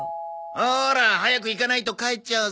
ほら早く行かないと帰っちゃうぞ。